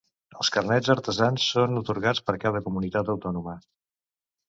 Els carnets artesans són atorgats per cada comunitat autònoma.